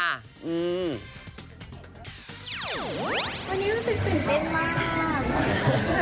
ตอนนี้รู้สึกตื่นเต้นมาก